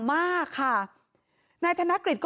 หมาก็เห่าตลอดคืนเลยเหมือนมีผีจริง